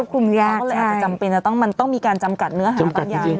ก็เลยอาจจะจำเป็นจะต้องมันต้องมีการจำกัดเนื้อหาบางอย่าง